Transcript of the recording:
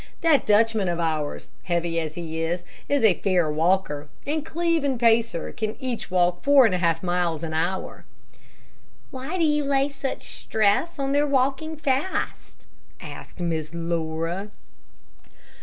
That Dutchman of ours, heavy as he is, is a fair walker, and Cleve and Pacer can each walk four and a half miles an hour." "Why do you lay such stress on their walking fast?" asked Miss Laura.